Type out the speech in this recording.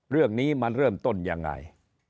เรื่องนี้มันเริ่มต้นยังไง